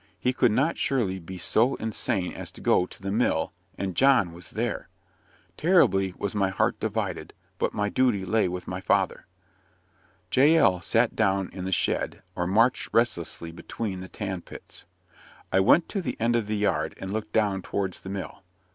He could not surely be so insane as to go to the mill and John was there. Terribly was my heart divided, but my duty lay with my father. Jael sat down in the shed, or marched restlessly between the tan pits. I went to the end of the yard, and looked down towards the mill.